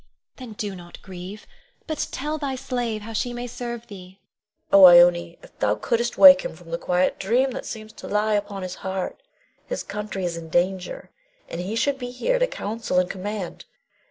Then do not grieve, but tell thy slave how she may serve thee. Queen. Oh, Ione, if thou couldst wake him from the quiet dream that seems to lie upon his heart. His country is in danger, and he should be here to counsel and command.